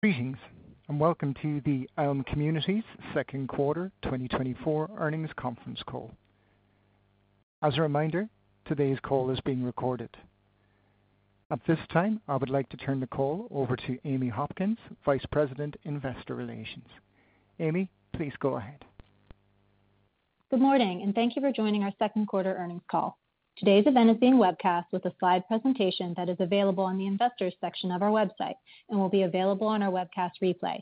Greetings and welcome to the Elme Communities Q2 2024 earnings conference call. As a reminder, today's call is being recorded. At this time, I would like to turn the call over to Amy Hopkins, Vice President, Investor Relations. Amy, please go ahead. Good morning and thank you for joining our Q2 earnings call. Today's event is being webcast with a slide presentation that is available on the investors section of our website and will be available on our webcast replay.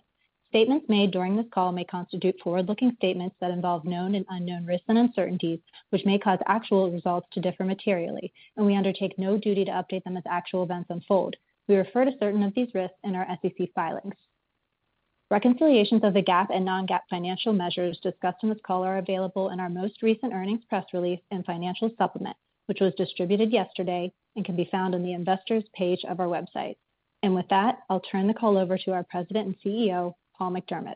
Statements made during this call may constitute forward-looking statements that involve known and unknown risks and uncertainties, which may cause actual results to differ materially, and we undertake no duty to update them as actual events unfold. We refer to certain of these risks in our SEC filings. Reconciliations of the GAAP and non-GAAP financial measures discussed in this call are available in our most recent earnings press release and financial supplement, which was distributed yesterday and can be found on the investors page of our website. With that, I'll turn the call over to our President and CEO, Paul McDermott.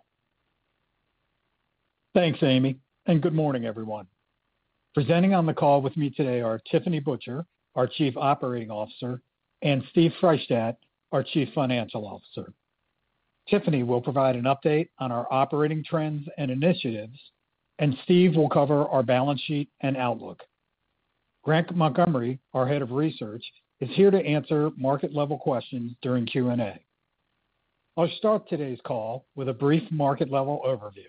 Thanks, Amy, and good morning, everyone. Presenting on the call with me today are Tiffany Butcher, our Chief Operating Officer, and Steven Freishtat, our Chief Financial Officer. Tiffany will provide an update on our operating trends and initiatives, and Steve will cover our balance sheet and outlook. Grant Montgomery, our Head of Research, is here to answer market-level questions during Q&A. I'll start today's call with a brief market-level overview.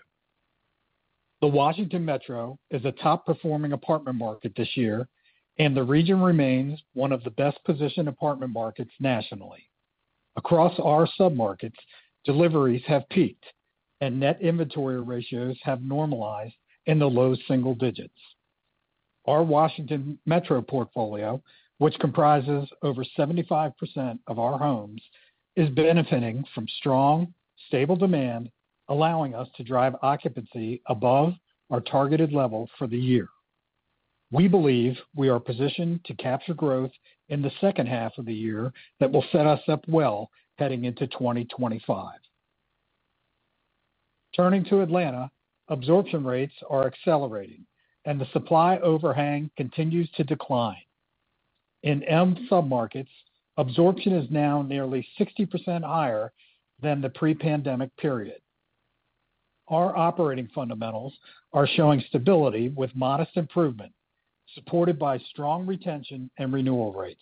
The Washington metro is a top-performing apartment market this year, and the region remains one of the best-positioned apartment markets nationally. Across our submarkets, deliveries have peaked and net inventory ratios have normalized in the low single digits. Our Washington metro portfolio, which comprises over 75% of our homes, is benefiting from strong, stable demand, allowing us to drive occupancy above our targeted level for the year. We believe we are positioned to capture growth in the second half of the year that will set us up well heading into 2025. Turning to Atlanta, absorption rates are accelerating and the supply overhang continues to decline. In our submarkets, absorption is now nearly 60% higher than the pre-pandemic period. Our operating fundamentals are showing stability with modest improvement, supported by strong retention and renewal rates.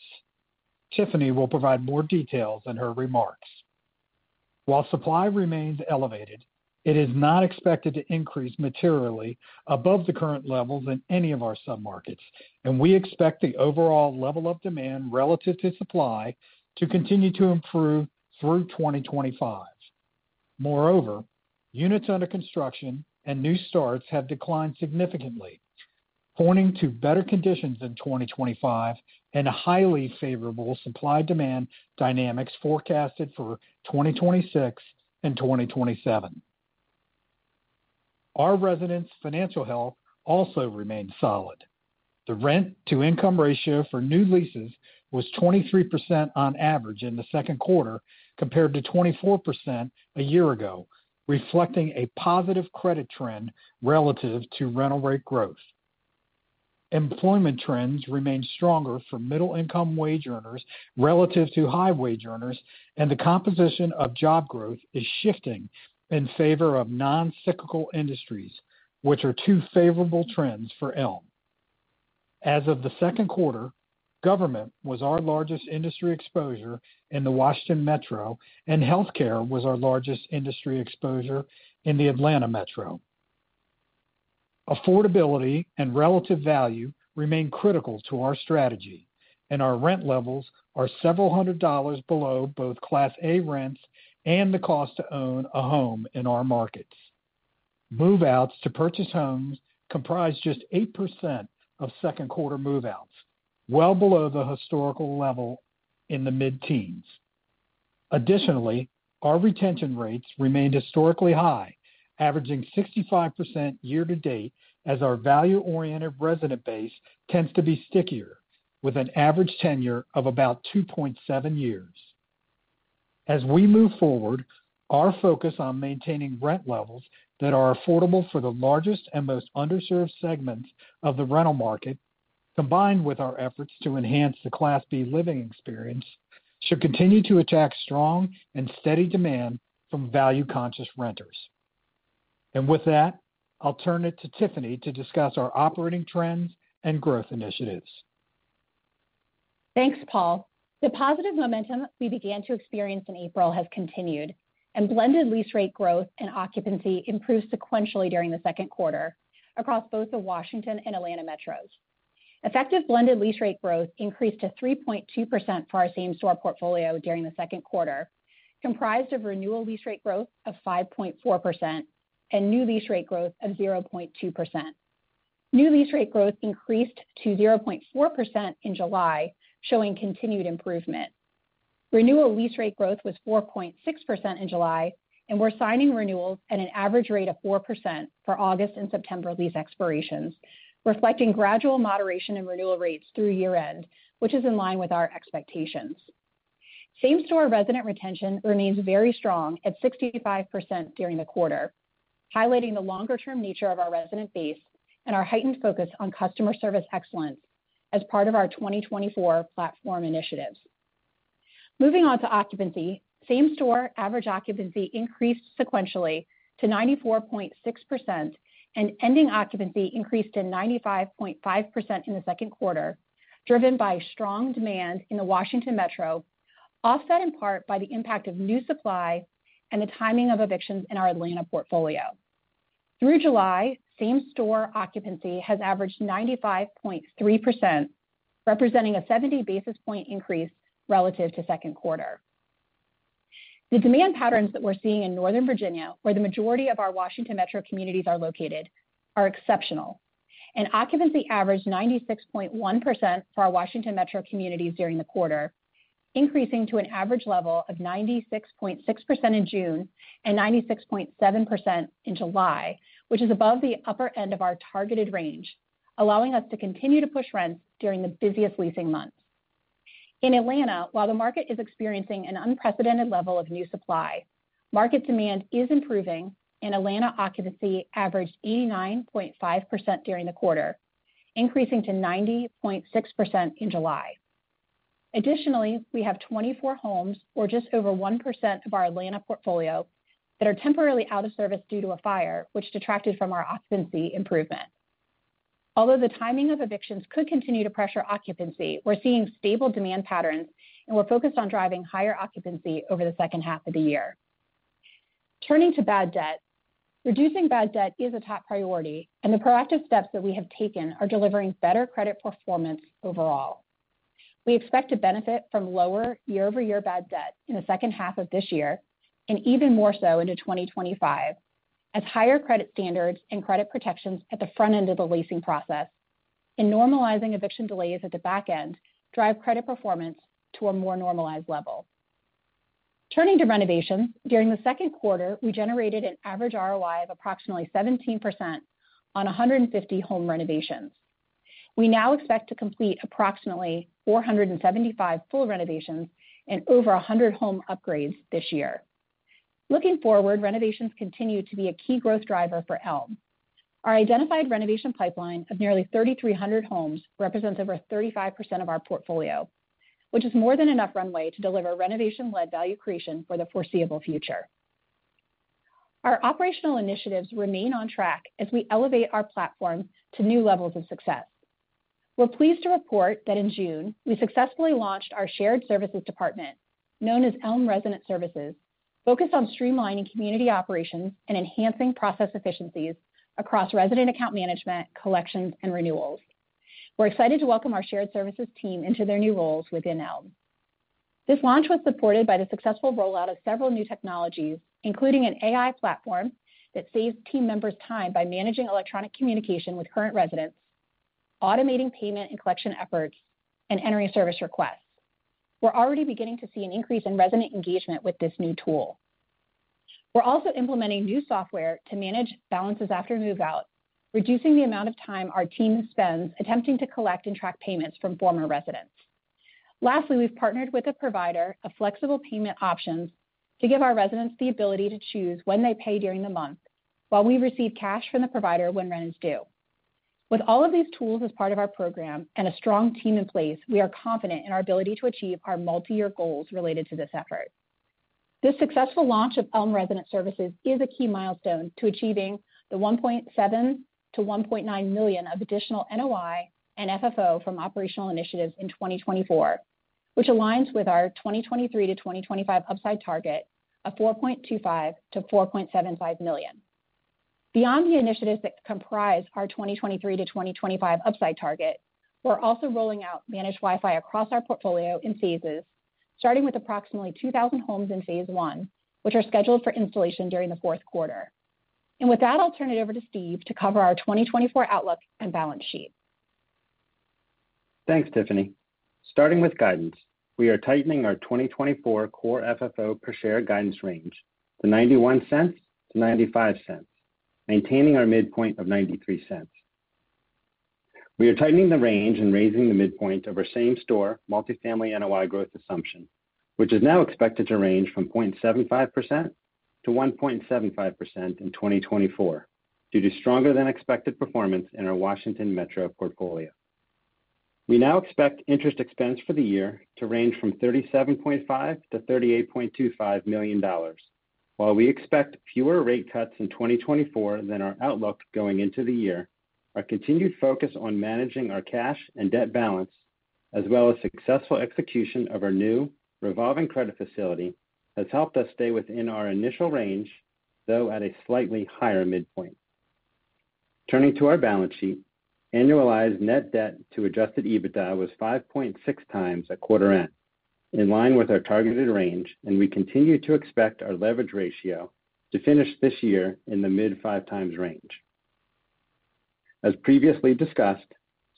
Tiffany will provide more details in her remarks. While supply remains elevated, it is not expected to increase materially above the current levels in any of our submarkets, and we expect the overall level of demand relative to supply to continue to improve through 2025. Moreover, units under construction and new starts have declined significantly, pointing to better conditions in 2025 and highly favorable supply-demand dynamics forecasted for 2026 and 2027. Our residents' financial health also remains solid. The rent-to-income ratio for new leases was 23% on average in the Q2 compared to 24% a year ago, reflecting a positive credit trend relative to rental rate growth. Employment trends remain stronger for middle-income wage earners relative to high-wage earners, and the composition of job growth is shifting in favor of non-cyclical industries, which are two favorable trends for Elme. As of the Q2, government was our largest industry exposure in the Washington metro, and healthcare was our largest industry exposure in the Atlanta metro. Affordability and relative value remain critical to our strategy, and our rent levels are $several hundred below both Class A rents and the cost to own a home in our markets. Move-outs to purchase homes comprise just 8% of Q2 move-outs, well below the historical level in the mid-teens. Additionally, our retention rates remained historically high, averaging 65% year-to-date as our value-oriented resident base tends to be stickier, with an average tenure of about 2.7 years. As we move forward, our focus on maintaining rent levels that are affordable for the largest and most underserved segments of the rental market, combined with our efforts to enhance the Class B living experience, should continue to attract strong and steady demand from value-conscious renters. With that, I'll turn it to Tiffany to discuss our operating trends and growth initiatives. Thanks, Paul. The positive momentum we began to experience in April has continued, and blended lease rate growth and occupancy improved sequentially during the Q2 across both the Washington and Atlanta metros. Effective blended lease rate growth increased to 3.2% for our same-store portfolio during the Q2, comprised of renewal lease rate growth of 5.4% and new lease rate growth of 0.2%. New lease rate growth increased to 0.4% in July, showing continued improvement. Renewal lease rate growth was 4.6% in July, and we're signing renewals at an average rate of 4% for August and September lease expirations, reflecting gradual moderation in renewal rates through year-end, which is in line with our expectations. Same Store resident retention remains very strong at 65% during the quarter, highlighting the longer-term nature of our resident base and our heightened focus on customer service excellence as part of our 2024 platform initiatives. Moving on to occupancy, Same Store average occupancy increased sequentially to 94.6%, and ending occupancy increased to 95.5% in the Q2, driven by strong demand in the Washington metro, offset in part by the impact of new supply and the timing of evictions in our Atlanta portfolio. Through July, Same Store occupancy has averaged 95.3%, representing a 70 basis point increase relative to Q2. The demand patterns that we're seeing in Northern Virginia, where the majority of our Washington metro communities are located, are exceptional. Occupancy averaged 96.1% for our Washington metro communities during the quarter, increasing to an average level of 96.6% in June and 96.7% in July, which is above the upper end of our targeted range, allowing us to continue to push rents during the busiest leasing months. In Atlanta, while the market is experiencing an unprecedented level of new supply, market demand is improving, and Atlanta occupancy averaged 89.5% during the quarter, increasing to 90.6% in July. Additionally, we have 24 homes, or just over 1% of our Atlanta portfolio, that are temporarily out of service due to a fire, which detracted from our occupancy improvement. Although the timing of evictions could continue to pressure occupancy, we're seeing stable demand patterns and we're focused on driving higher occupancy over the second half of the year. Turning to bad debt, reducing bad debt is a top priority, and the proactive steps that we have taken are delivering better credit performance overall. We expect to benefit from lower year-over-year bad debt in the second half of this year and even more so into 2025, as higher credit standards and credit protections at the front end of the leasing process and normalizing eviction delays at the back end drive credit performance to a more normalized level. Turning to renovations, during the Q2, we generated an average ROI of approximately 17% on 150 home renovations. We now expect to complete approximately 475 full renovations and over 100 home upgrades this year. Looking forward, renovations continue to be a key growth driver for Elme. Our identified renovation pipeline of nearly 3,300 homes represents over 35% of our portfolio, which is more than enough runway to deliver renovation-led value creation for the foreseeable future. Our operational initiatives remain on track as we elevate our platform to new levels of success. We're pleased to report that in June, we successfully launched our shared services department, known as Elme Resident Services, focused on streamlining community operations and enhancing process efficiencies across resident account management, collections, and renewals. We're excited to welcome our shared services team into their new roles within Elme. This launch was supported by the successful rollout of several new technologies, including an AI platform that saves team members time by managing electronic communication with current residents, automating payment and collection efforts, and entering service requests. We're already beginning to see an increase in resident engagement with this new tool. We're also implementing new software to manage balances after move-out, reducing the amount of time our team spends attempting to collect and track payments from former residents. Lastly, we've partnered with a provider of flexible payment options to give our residents the ability to choose when they pay during the month, while we receive cash from the provider when rent is due. With all of these tools as part of our program and a strong team in place, we are confident in our ability to achieve our multi-year goals related to this effort. This successful launch of Elme Resident Services is a key milestone to achieving the $1.7 million-$1.9 million of additional NOI and FFO from operational initiatives in 2024, which aligns with our 2023 to 2025 upside target of $4.25 million-$4.75 million. Beyond the initiatives that comprise our 2023 to 2025 upside target, we're also rolling out managed Wi-Fi across our portfolio in phases, starting with approximately 2,000 homes in phase one, which are scheduled for installation during the Q4. With that, I'll turn it over to Steve to cover our 2024 outlook and balance sheet. Thanks, Tiffany. Starting with guidance, we are tightening our 2024 Core FFO per share guidance range, the $0.91-$0.95, maintaining our midpoint of $0.93. We are tightening the range and raising the midpoint of our Same Store multifamily NOI growth assumption, which is now expected to range from 0.75%-1.75% in 2024 due to stronger-than-expected performance in our Washington metro portfolio. We now expect interest expense for the year to range from $37.5 million-$38.25 million, while we expect fewer rate cuts in 2024 than our outlook going into the year. Our continued focus on managing our cash and debt balance, as well as successful execution of our new revolving credit facility, has helped us stay within our initial range, though at a slightly higher midpoint. Turning to our balance sheet, annualized net debt to Adjusted EBITDA was 5.6x at quarter end, in line with our targeted range, and we continue to expect our leverage ratio to finish this year in the mid-5x range. As previously discussed,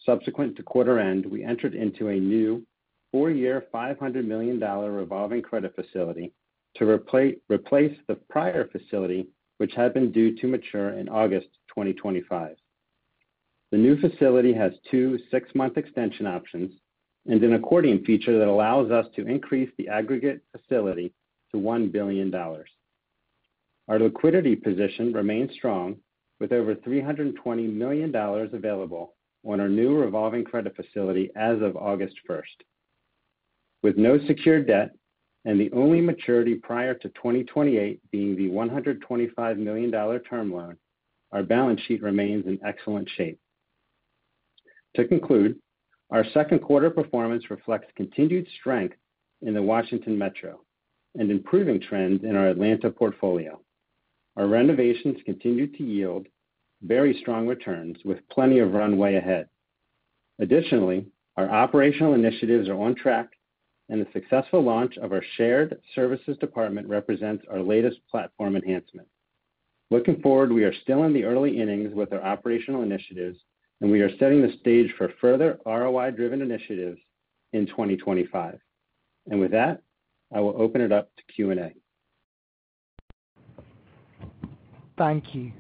subsequent to quarter end, we entered into a new four-year $500 million revolving credit facility to replace the prior facility, which had been due to mature in August 2025. The new facility has two six-month extension options and an accordion feature that allows us to increase the aggregate facility to $1 billion. Our liquidity position remains strong, with over $320 million available on our new revolving credit facility as of August 1st. With no secured debt and the only maturity prior to 2028 being the $125 million term loan, our balance sheet remains in excellent shape. To conclude, our Q2 performance reflects continued strength in the Washington metro and improving trends in our Atlanta portfolio. Our renovations continue to yield very strong returns with plenty of runway ahead. Additionally, our operational initiatives are on track, and the successful launch of our shared services department represents our latest platform enhancement. Looking forward, we are still in the early innings with our operational initiatives, and we are setting the stage for further ROI-driven initiatives in 2025. And with that, I will open it up to Q&A. Thank you.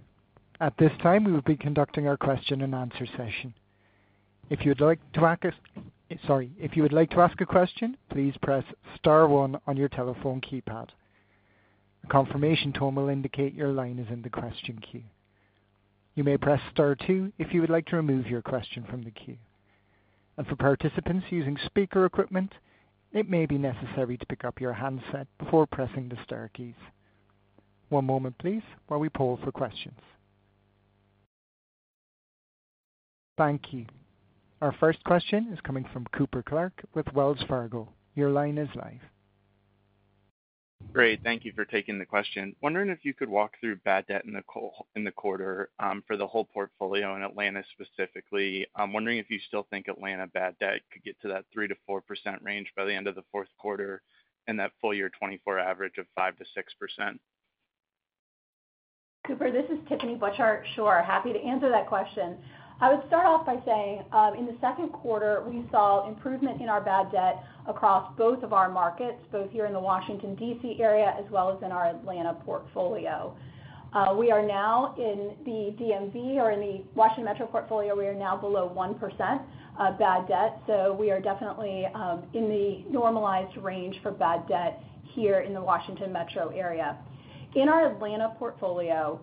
At this time, we will be conducting our question and answer session. If you would like to ask a question, please press Star 1 on your telephone keypad. A confirmation tone will indicate your line is in the question queue. You may press Star 2 if you would like to remove your question from the queue. And for participants using speaker equipment, it may be necessary to pick up your handset before pressing the Star keys. One moment, please, while we poll for questions. Thank you. Our first question is coming from Cooper Clark with Wells Fargo. Your line is live. Great. Thank you for taking the question. Wondering if you could walk through bad debt in the quarter for the whole portfolio and Atlanta specifically? I'm wondering if you still think Atlanta bad debt could get to that 3%-4% range by the end of the Q4 and that full year 2024 average of 5%-6%? Cooper, this is Tiffany Butcher. Sure. Happy to answer that question. I would start off by saying in the Q2, we saw improvement in our bad debt across both of our markets, both here in the Washington, D.C. area, as well as in our Atlanta portfolio. We are now in the DMV, or in the Washington metro portfolio, we are now below 1% bad debt. So we are definitely in the normalized range for bad debt here in the Washington metro area. In our Atlanta portfolio,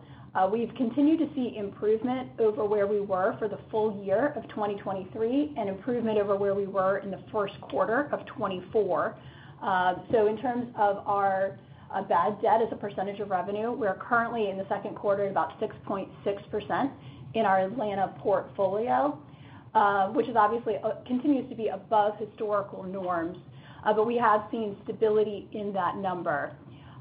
we've continued to see improvement over where we were for the full year of 2023 and improvement over where we were in the Q1 of 2024. In terms of our bad debt as a percentage of revenue, we're currently in the Q2 at about 6.6% in our Atlanta portfolio, which obviously continues to be above historical norms, but we have seen stability in that number.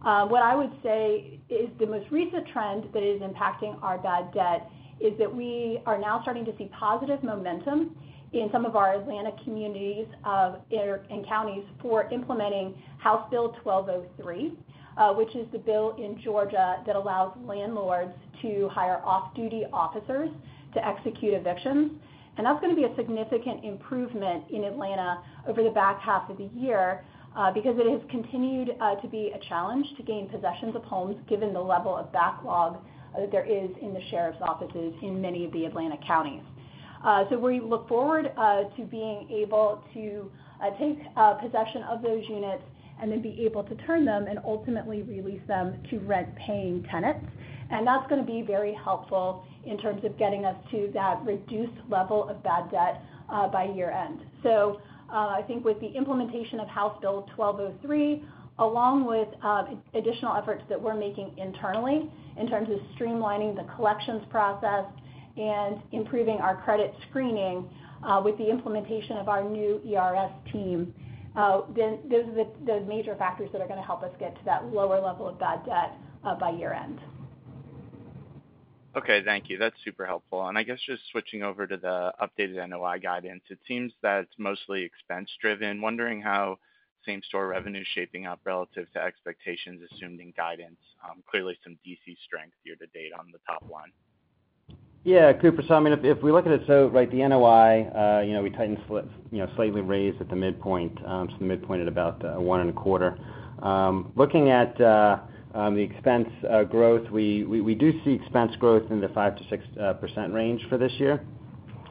What I would say is the most recent trend that is impacting our bad debt is that we are now starting to see positive momentum in some of our Atlanta communities and counties for implementing House Bill 1203, which is the bill in Georgia that allows landlords to hire off-duty officers to execute evictions. That's going to be a significant improvement in Atlanta over the back half of the year because it has continued to be a challenge to gain possessions of homes given the level of backlog that there is in the sheriff's offices in many of the Atlanta counties. So we look forward to being able to take possession of those units and then be able to turn them and ultimately release them to rent-paying tenants. And that's going to be very helpful in terms of getting us to that reduced level of bad debt by year-end. So I think with the implementation of House Bill 1203, along with additional efforts that we're making internally in terms of streamlining the collections process and improving our credit screening with the implementation of our new ERS team, then those are the major factors that are going to help us get to that lower level of bad debt by year-end. Okay. Thank you. That's super helpful. I guess just switching over to the updated NOI guidance, it seems that it's mostly expense-driven. Wondering how Same-Store revenue is shaping up relative to expectations assumed in guidance. Clearly, some D.C. strength year to date on the top line. Yeah, Cooper. So I mean, if we look at it so right, the NOI, we tightened slightly raised at the midpoint, so the midpoint at about 1.25. Looking at the expense growth, we do see expense growth in the 5%-6% range for this year.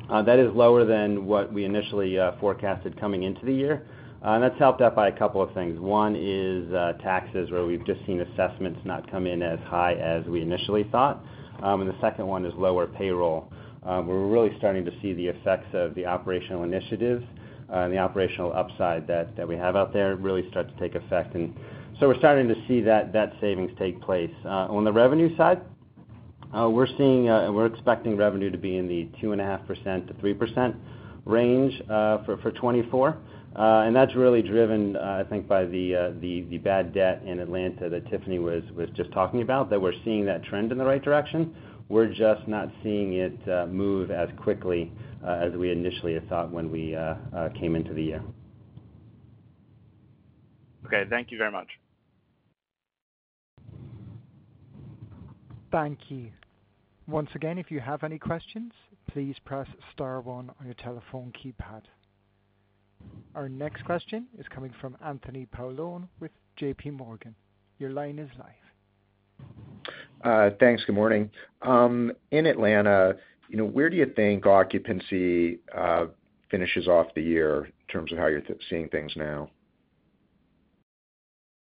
That is lower than what we initially forecasted coming into the year. And that's helped out by a couple of things. One is taxes, where we've just seen assessments not come in as high as we initially thought. And the second one is lower payroll. We're really starting to see the effects of the operational initiatives and the operational upside that we have out there really start to take effect. And so we're starting to see that savings take place. On the revenue side, we're expecting revenue to be in the 2.5%-3% range for 2024. That's really driven, I think, by the bad debt in Atlanta that Tiffany was just talking about, that we're seeing that trend in the right direction. We're just not seeing it move as quickly as we initially had thought when we came into the year. Okay. Thank you very much. Thank you. Once again, if you have any questions, please press Star 1 on your telephone keypad. Our next question is coming from Anthony Paolone with J.P. Morgan. Your line is live. Thanks. Good morning. In Atlanta, where do you think occupancy finishes off the year in terms of how you're seeing things now?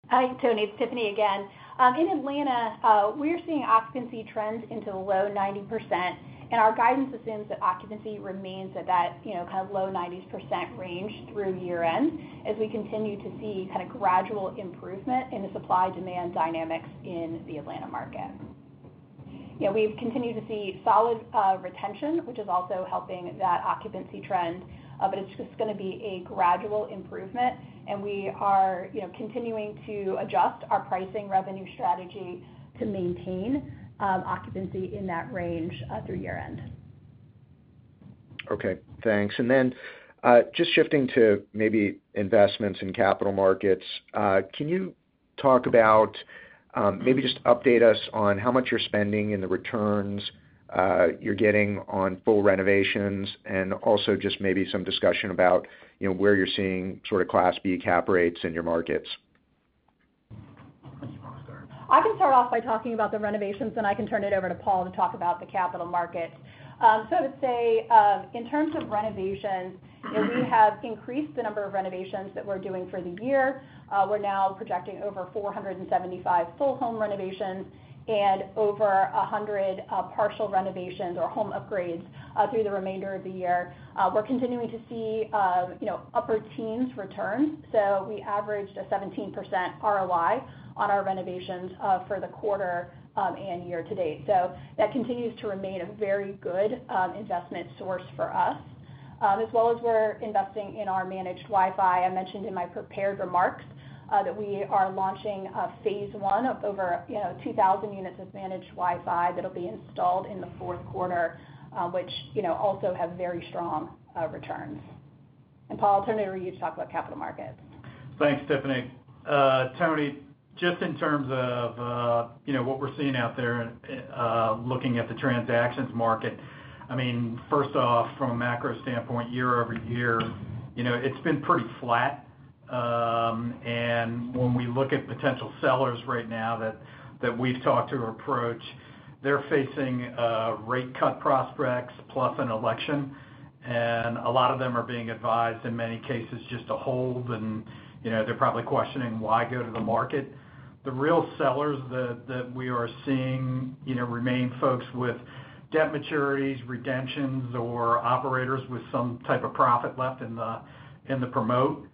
Hi, Tony. It's Tiffany again. In Atlanta, we're seeing occupancy trend into the low 90%. Our guidance assumes that occupancy remains at that kind of low 90% range through year-end as we continue to see kind of gradual improvement in the supply-demand dynamics in the Atlanta market. We've continued to see solid retention, which is also helping that occupancy trend, but it's just going to be a gradual improvement. We are continuing to adjust our pricing revenue strategy to maintain occupancy in that range through year-end. Okay. Thanks. And then just shifting to maybe investments in capital markets, can you talk about maybe just update us on how much you're spending in the returns you're getting on full renovations and also just maybe some discussion about where you're seeing sort of Class B cap rates in your markets? I can start off by talking about the renovations, and I can turn it over to Paul to talk about the capital markets. So I would say in terms of renovations, we have increased the number of renovations that we're doing for the year. We're now projecting over 475 full home renovations and over 100 partial renovations or home upgrades through the remainder of the year. We're continuing to see upper teens returns. So we averaged a 17% ROI on our renovations for the quarter and year to date. So that continues to remain a very good investment source for us. As well as we're investing in our managed Wi-Fi, I mentioned in my prepared remarks that we are launching phase one of over 2,000 units of managed Wi-Fi that'll be installed in the Q4, which also have very strong returns. Paul, I'll turn it over to you to talk about capital markets. Thanks, Tiffany. Tony, just in terms of what we're seeing out there and looking at the transactions market, I mean, first off, from a macro standpoint, year-over-year, it's been pretty flat. When we look at potential sellers right now that we've talked to approach, they're facing rate cut prospects plus an election. A lot of them are being advised in many cases just to hold, and they're probably questioning why go to the market. The real sellers that we are seeing remain folks with debt maturities, redemptions, or operators with some type of profit left in the promote.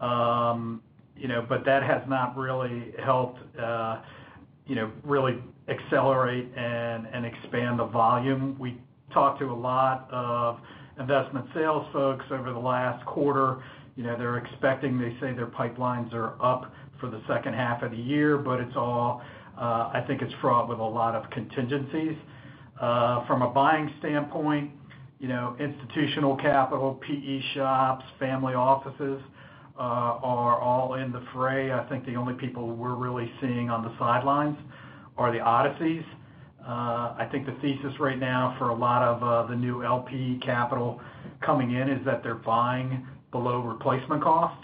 But that has not really helped really accelerate and expand the volume. We talked to a lot of investment sales folks over the last quarter. They're expecting, they say their pipelines are up for the second half of the year, but it's all, I think it's fraught with a lot of contingencies. From a buying standpoint, institutional capital, PE shops, family offices are all in the fray. I think the only people we're really seeing on the sidelines are the ODCEs. I think the thesis right now for a lot of the new LP capital coming in is that they're buying below replacement cost,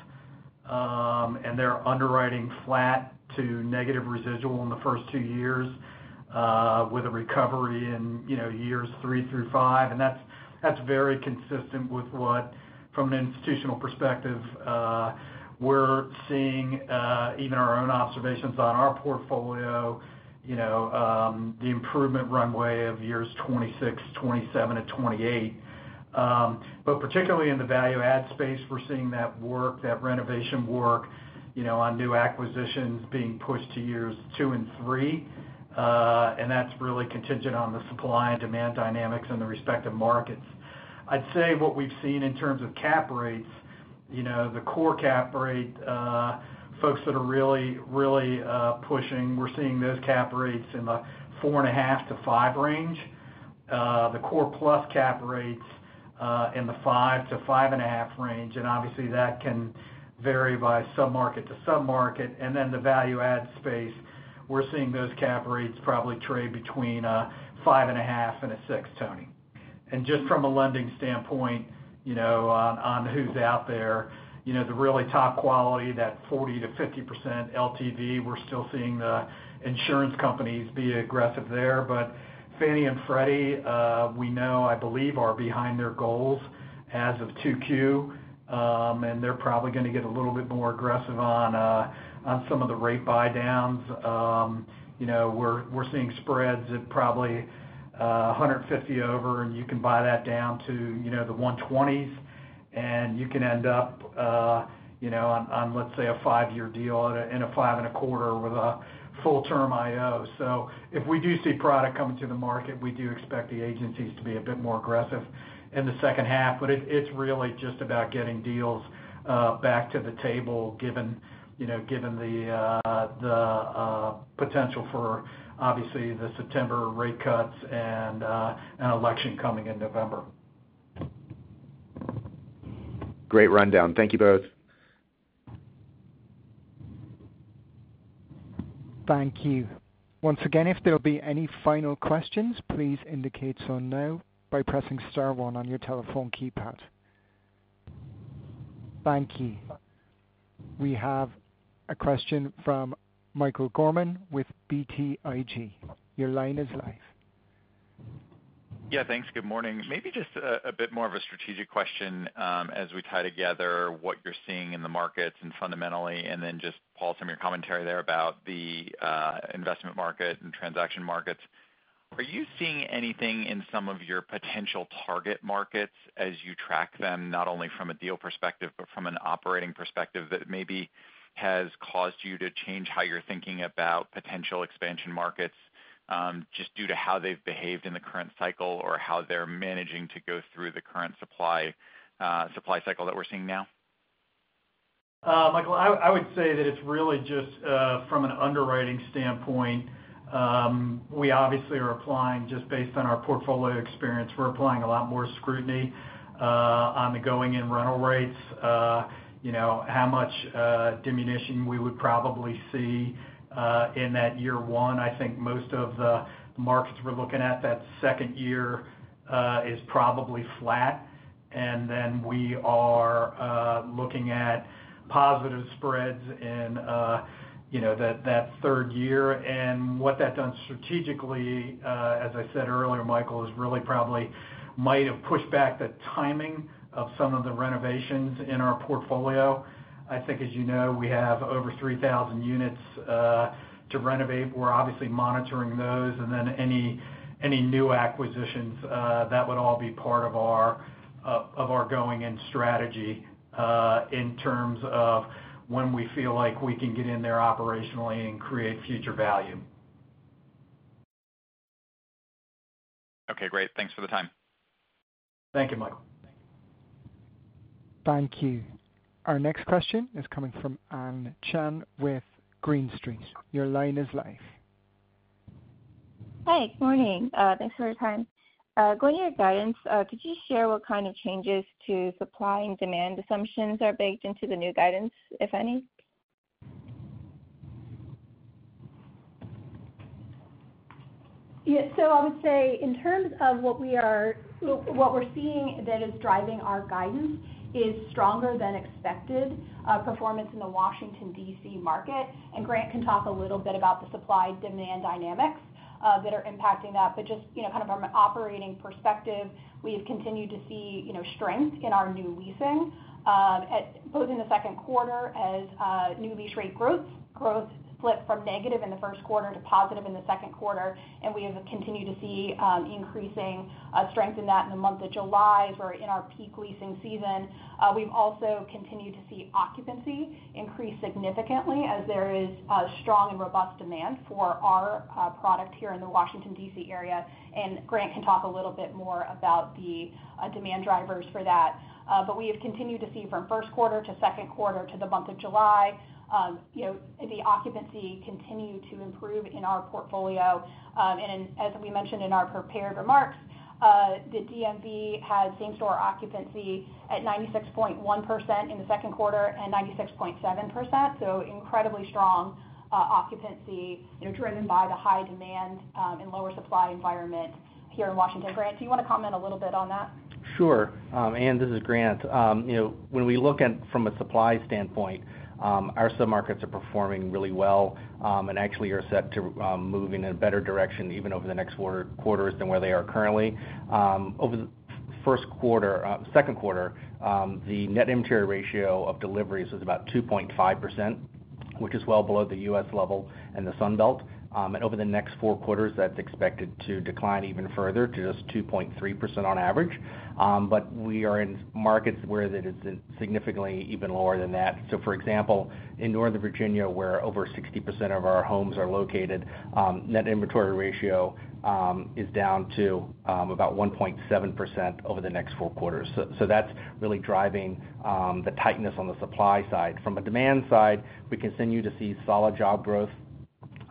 and they're underwriting flat to negative residual in the first 2 years with a recovery in years 3 through 5. And that's very consistent with what, from an institutional perspective, we're seeing even our own observations on our portfolio, the improvement runway of years 2026, 2027, and 2028. But particularly in the value-add space, we're seeing that work, that renovation work on new acquisitions being pushed to years 2 and 3. And that's really contingent on the supply and demand dynamics in the respective markets. I'd say what we've seen in terms of cap rates, the core cap rate, folks that are really, really pushing, we're seeing those cap rates in the 4.5-5 range. The core plus cap rates in the 5-5.5 range. And obviously, that can vary by sub-market to sub-market. And then the value-add space, we're seeing those cap rates probably trade between a 5.5 and a 6, Tony. And just from a lending standpoint on who's out there, the really top quality, that 40%-50% LTV, we're still seeing the insurance companies be aggressive there. But Fannie and Freddie, we know, I believe, are behind their goals as of 2Q. They're probably going to get a little bit more aggressive on some of the rate buy-downs. We're seeing spreads at probably 150 over, and you can buy that down to the 120s. You can end up on, let's say, a 5-year deal in a 5.25 with a full-term IO. If we do see product coming to the market, we do expect the agencies to be a bit more aggressive in the second half. But it's really just about getting deals back to the table given the potential for, obviously, the September rate cuts and election coming in November. Great rundown. Thank you both. Thank you. Once again, if there'll be any final questions, please indicate so now by pressing Star 1 on your telephone keypad. Thank you. We have a question from Michael Gorman with BTIG. Your line is live. Yeah. Thanks. Good morning. Maybe just a bit more of a strategic question as we tie together what you're seeing in the markets and fundamentally, and then just Paul, some of your commentary there about the investment market and transaction markets. Are you seeing anything in some of your potential target markets as you track them, not only from a deal perspective but from an operating perspective, that maybe has caused you to change how you're thinking about potential expansion markets just due to how they've behaved in the current cycle or how they're managing to go through the current supply cycle that we're seeing now? Michael, I would say that it's really just from an underwriting standpoint. We obviously are applying, just based on our portfolio experience, we're applying a lot more scrutiny on the going-in rental rates, how much diminution we would probably see in that year one. I think most of the markets we're looking at that second year is probably flat. And then we are looking at positive spreads in that third year. And what that done strategically, as I said earlier, Michael, is really probably might have pushed back the timing of some of the renovations in our portfolio. I think, as you know, we have over 3,000 units to renovate. We're obviously monitoring those. And then any new acquisitions, that would all be part of our going-in strategy in terms of when we feel like we can get in there operationally and create future value. Okay. Great. Thanks for the time. Thank you, Michael. Thank you. Our next question is coming from Ann Chan with Green Street. Your line is live. Hi. Good morning. Thanks for your time. Going to your guidance, could you share what kind of changes to supply and demand assumptions are baked into the new guidance, if any? Yeah. So I would say in terms of what we're seeing that is driving our guidance is stronger than expected performance in the Washington, D.C. market. And Grant can talk a little bit about the supply-demand dynamics that are impacting that. But just kind of from an operating perspective, we've continued to see strength in our new leasing, both in the Q2 as new lease rate growth flipped from negative in the Q1 to positive in the Q2. And we have continued to see increasing strength in that in the month of July, as we're in our peak leasing season. We've also continued to see occupancy increase significantly as there is strong and robust demand for our product here in the Washington, D.C. area. And Grant can talk a little bit more about the demand drivers for that. But we have continued to see from Q1 to Q2 to the month of July, the occupancy continue to improve in our portfolio. As we mentioned in our prepared remarks, the DMV had same-store occupancy at 96.1% in the Q2 and 96.7%. Incredibly strong occupancy driven by the high demand and lower supply environment here in Washington. Grant, do you want to comment a little bit on that? Sure. Ann, this is Grant. When we look at from a supply standpoint, our sub-markets are performing really well and actually are set to move in a better direction even over the next quarters than where they are currently. Over the Q2, the net inventory ratio of deliveries was about 2.5%, which is well below the U.S. level and the Sunbelt. And over the next four quarters, that's expected to decline even further to just 2.3% on average. But we are in markets where it is significantly even lower than that. So for example, in Northern Virginia, where over 60% of our homes are located, net inventory ratio is down to about 1.7% over the next four quarters. So that's really driving the tightness on the supply side. From a demand side, we continue to see solid job growth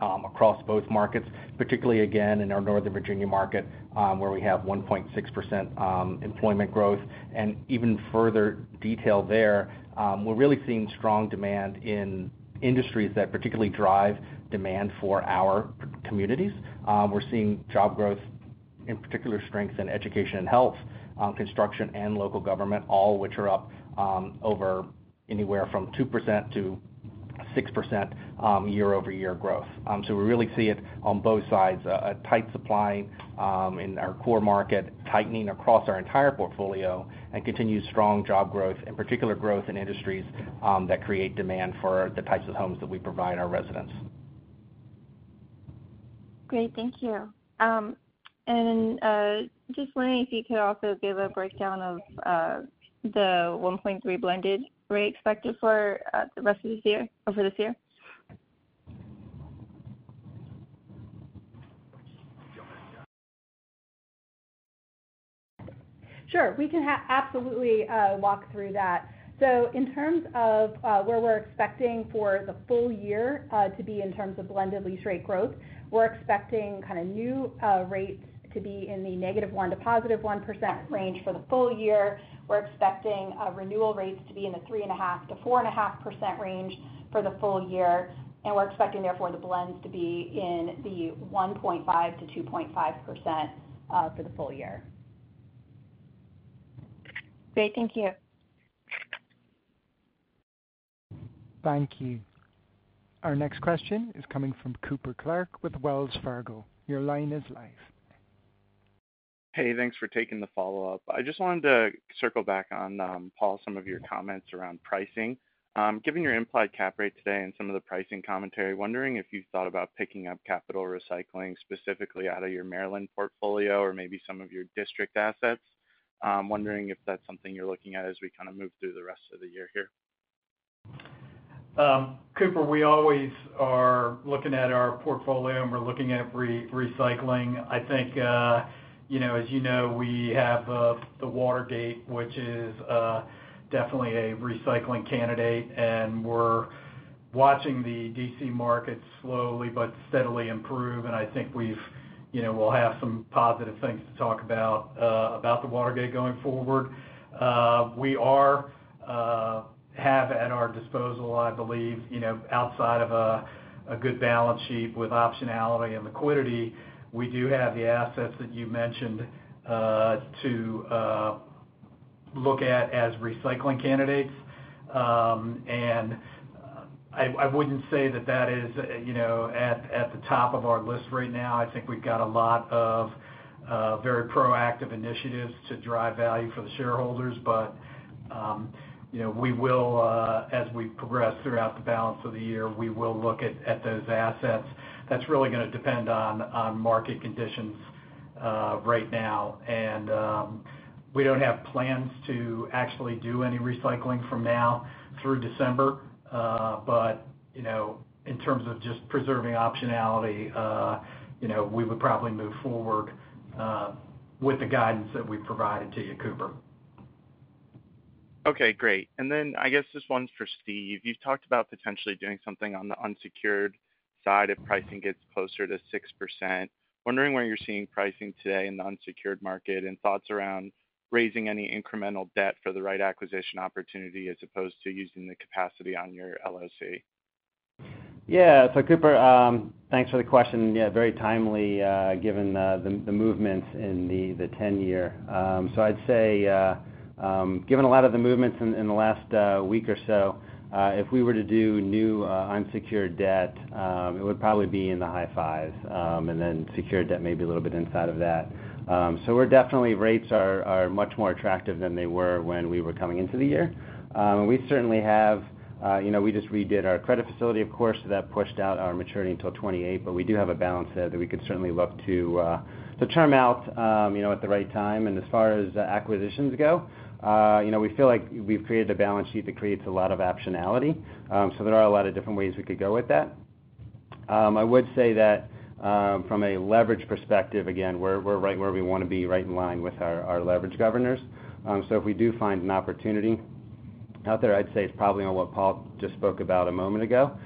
across both markets, particularly again in our Northern Virginia market where we have 1.6% employment growth. Even further detail there, we're really seeing strong demand in industries that particularly drive demand for our communities. We're seeing job growth, in particular strength in education and health, construction, and local government, all which are up over anywhere from 2%-6% year-over-year growth. So we really see it on both sides, a tight supply in our core market, tightening across our entire portfolio, and continued strong job growth, in particular growth in industries that create demand for the types of homes that we provide our residents. Great. Thank you. And just wondering if you could also give a breakdown of the 1.3 blended rate expected for the rest of this year or for this year? Sure. We can absolutely walk through that. So in terms of where we're expecting for the full year to be in terms of blended lease rate growth, we're expecting kind of new rates to be in the -1% to +1% range for the full year. We're expecting renewal rates to be in the 3.5%-4.5% range for the full year. And we're expecting, therefore, the blends to be in the 1.5%-2.5% for the full year. Great. Thank you. Thank you. Our next question is coming from Cooper Clark with Wells Fargo. Your line is live. Hey. Thanks for taking the follow-up. I just wanted to circle back on, Paul, some of your comments around pricing. Given your implied cap rate today and some of the pricing commentary, wondering if you've thought about picking up capital recycling specifically out of your Maryland portfolio or maybe some of your District assets. Wondering if that's something you're looking at as we kind of move through the rest of the year here. Cooper, we always are looking at our portfolio, and we're looking at recycling. I think, as you know, we have the Watergate, which is definitely a recycling candidate. We're watching the D.C. market slowly but steadily improve. I think we'll have some positive things to talk about the Watergate going forward. We have at our disposal, I believe, outside of a good balance sheet with optionality and liquidity, we do have the assets that you mentioned to look at as recycling candidates. I wouldn't say that that is at the top of our list right now. I think we've got a lot of very proactive initiatives to drive value for the shareholders. As we progress throughout the balance of the year, we will look at those assets. That's really going to depend on market conditions right now. We don't have plans to actually do any recycling from now through December. But in terms of just preserving optionality, we would probably move forward with the guidance that we've provided to you, Cooper. Okay. Great. And then I guess just one for Steve. You've talked about potentially doing something on the unsecured side if pricing gets closer to 6%. Wondering where you're seeing pricing today in the unsecured market and thoughts around raising any incremental debt for the right acquisition opportunity as opposed to using the capacity on your LLC? Yeah. So Cooper, thanks for the question. Yeah. Very timely given the movements in the 10-year. So I'd say given a lot of the movements in the last week or so, if we were to do new unsecured debt, it would probably be in the high fives. And then secured debt maybe a little bit inside of that. So definitely, rates are much more attractive than they were when we were coming into the year. We certainly just redid our credit facility, of course, that pushed out our maturity until 2028. But we do have a balance there that we could certainly look to term out at the right time. And as far as acquisitions go, we feel like we've created a balance sheet that creates a lot of optionality. So there are a lot of different ways we could go with that. I would say that from a leverage perspective, again, we're right where we want to be, right in line with our leverage governors. So if we do find an opportunity out there, I'd say it's probably on what Paul just spoke about a moment ago.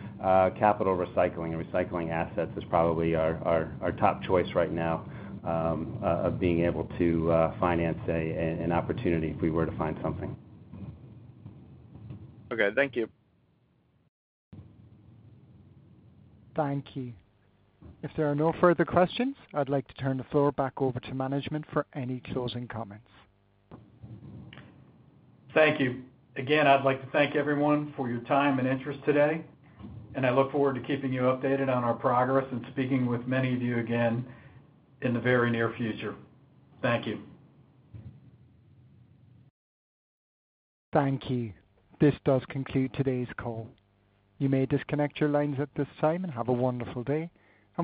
Capital recycling and recycling assets is probably our top choice right now of being able to finance an opportunity if we were to find something. Okay. Thank you. Thank you. If there are no further questions, I'd like to turn the floor back over to management for any closing comments. Thank you. Again, I'd like to thank everyone for your time and interest today. I look forward to keeping you updated on our progress and speaking with many of you again in the very near future. Thank you. Thank you. This does conclude today's call. You may disconnect your lines at this time and have a wonderful day.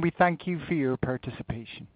We thank you for your participation.